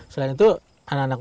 selain itu anak anak mereka juga